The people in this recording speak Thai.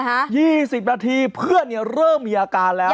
อ๋าใหม่ฮะ๒๐นาทีเพื่อนเนี่ยเริ่มมีอาการแล้ว